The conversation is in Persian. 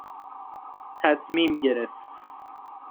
تصمیم گرفت